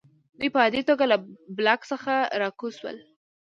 دوی په عاجله توګه له بلاک څخه راکوز شول